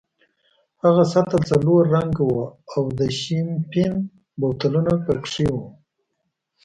هغه سطل سلور رنګه وو او د شیمپین بوتلونه پکې وو.